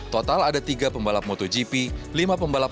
total ada tiga pembalap motogp